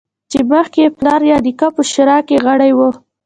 چې مخکې یې پلار یا نیکه په شورا کې غړی و